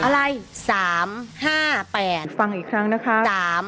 อะไร๓๕๘ฟังอีกครั้งนะคะ